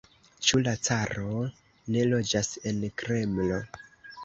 Ĉu la caro ne loĝas en Kremlo?